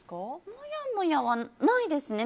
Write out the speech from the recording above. もやもやはないですね。